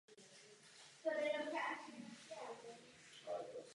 Vyskytují se na jihu Střední Ameriky a severozápadě Jižní Ameriky.